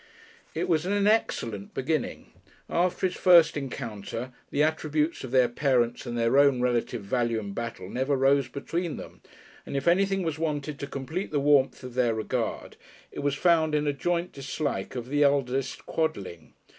It was an excellent beginning. After this first encounter the attributes of their parents and their own relative value in battle never rose between them, and if anything was wanted to complete the warmth of their regard it was found in a joint dislike of the eldest Quodling.